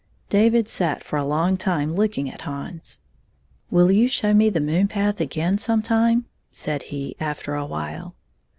David sat for a long time looking at Hans. "Will you show me the moon path again some time ?" said he, after a while.